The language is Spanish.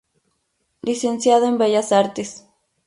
Licenciado en Bellas Artes.